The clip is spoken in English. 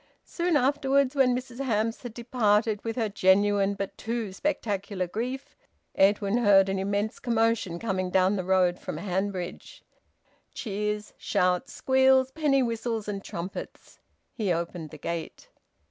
Soon afterwards, when Mrs Hamps had departed with her genuine but too spectacular grief, Edwin heard an immense commotion coming down the road from Hanbridge: cheers, shouts, squeals, penny whistles, and trumpets. He opened the gate.